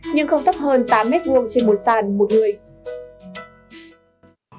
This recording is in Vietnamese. nhưng không thấp hơn tám m hai trên một sàn một người